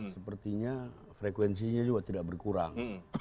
sepertinya frekuensinya juga tidak berkurang